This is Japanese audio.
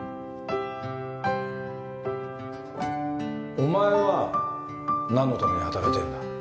お前は何のために働いてるんだ？